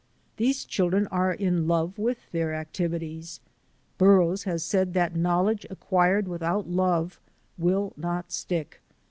These children are in love with their activities. Burroughs has said that knowledge acquired with out love will not stick.